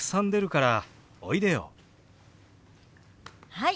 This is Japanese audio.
はい！